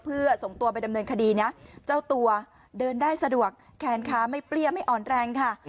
เพื่อส่งตัวไปดำเนินคดีนะเจ้าตัวเดินได้สะดวกแขนขาไม่เปรี้ยไม่อ่อนแรงค่ะ